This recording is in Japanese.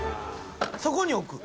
そこに置く？